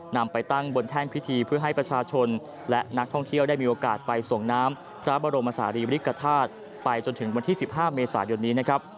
นำไปตั้งบนแท่นพิธีเพื่อให้ประชาชนและนักท่องเที่ยวได้มีโอกาสไปส่งน้ำพระบรมศาลีบริกฐาตุไปจนถึงวันที่๑๕เมษายนนี้นะครับ